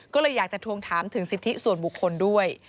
ก็เลยอยากจะทวงถามถึงสิทธิส่วนบุคคลด้วย